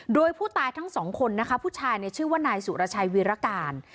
โดยผู้ตายทั้งสองคนนะคะผู้ชายชื่อว่านายสุรชัยวีรการ